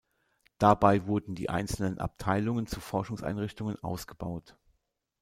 Dabei wurden die einzelnen Abteilungen zu Forschungseinrichtungen ausgebaut.